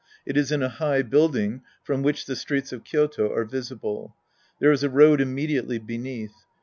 It is in a high build ing from which the streets of Kyoto are visible. There is a road immediately beneath.